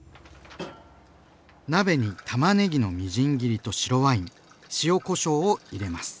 鍋にたまねぎのみじん切りと白ワイン塩こしょうを入れます。